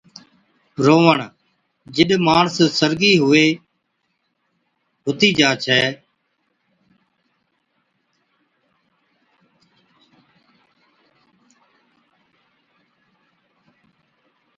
رووَڻ، جِڏ ماڻس سرگِي ھُوَي ھُتِي جا ڇَي